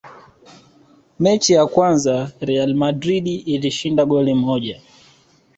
mechi ya kwanza real madrid ilishinda goli moja